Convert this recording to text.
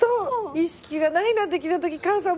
意識がないなんて聞いた時母さん